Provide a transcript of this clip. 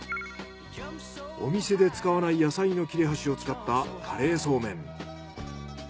お店で使わない野菜の切れ端を使ったカレーそうめん。